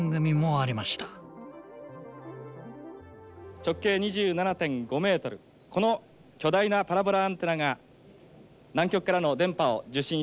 直径２７．５ｍこの巨大なパラボラアンテナが南極からの電波を受信しています。